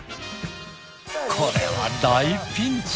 これは大ピンチ！